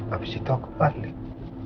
abis itu aku balik